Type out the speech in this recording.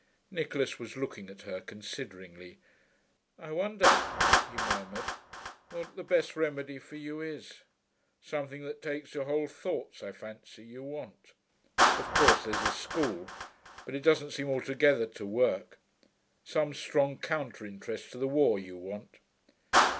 Nicholas was looking at her consideringly. 'I wonder,' he murmured, 'what the best remedy for you is. Something that takes your whole thoughts, I fancy, you want. Of course there's the School. But it doesn't seem altogether to work. Some strong counter interest to the war, you want.'